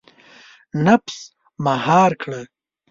• نفس مهار کړه.